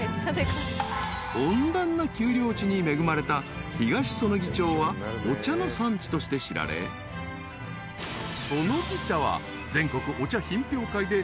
［温暖な丘陵地に恵まれた東彼杵町はお茶の産地として知られそのぎ茶は］